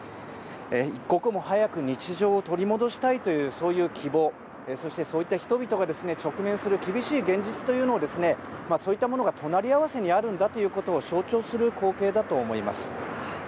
一刻も早く日常を取り戻したいという希望そして、そういった人々が直面する厳しい現実そういったものが隣り合わせにあるんだということを象徴する光景だと思います。